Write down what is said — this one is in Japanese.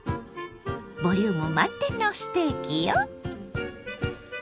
ボリューム満点のステーキよ。